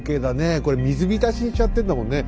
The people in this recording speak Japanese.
これ水浸しにしちゃってんだもんね。